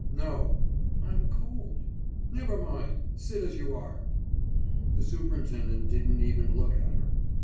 »No!« »I'm cold.« »Never mind sit as you are!« The superintendent didn't even look at her.